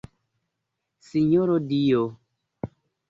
Sinjoro Dio!